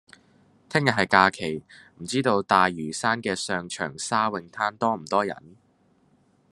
聽日係假期，唔知道大嶼山嘅上長沙泳灘多唔多人？